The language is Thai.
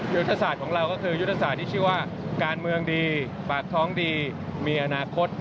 ยุทธศาสตร์ของเราก็คือยุทธศาสตร์ที่ชื่อว่าการเมืองดีปากท้องดีมีอนาคต